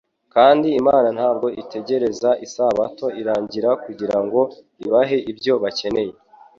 kandi Imana ntabwo itegereza ko isabato irangira kugira ngo ibahe ibyo bakeneye.